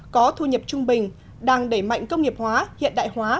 có thu nhập trung bình đang đẩy mạnh công nghiệp hóa hiện đại hóa